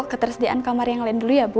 ketersediaan kamar yang lain dulu ya bu